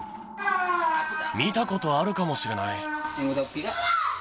見たことあるかもしれない。